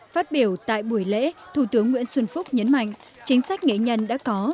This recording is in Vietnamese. phát biểu tại buổi lễ thủ tướng nguyễn xuân phúc nhấn mạnh chính sách nghệ nhân đã có